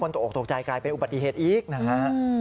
ตกออกตกใจกลายเป็นอุบัติเหตุอีกนะฮะ